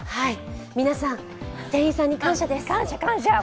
皆さん、店員さんに感謝です。